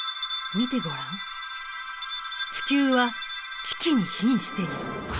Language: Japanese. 見てごらん地球は危機にひんしている。